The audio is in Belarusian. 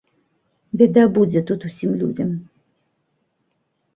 Бяда будзе тут усім людзям.